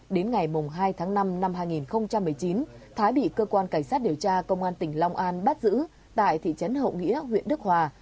đến ngày hai tháng năm năm hai nghìn một mươi chín thái bị cơ quan cảnh sát điều tra công an tỉnh long an bắt giữ tại thị trấn hậu nghĩa huyện đức hòa